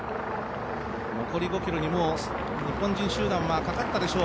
残り５ｋｍに日本人集団はかかったでしょう。